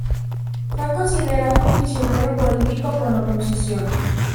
Fue considerado un prisionero político por la oposición.